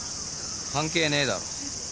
関係ねえだろ。